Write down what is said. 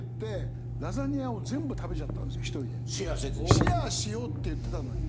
シェアしようって言ってたのに。